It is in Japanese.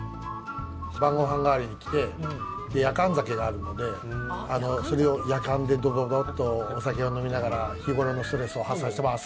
晩ご飯代わりに来てやかん酒があるのでそれをやかんでドドドッとお酒を飲みながら日頃のストレスを発散してます。